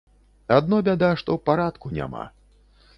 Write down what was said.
Адно бяда, што парадку няма.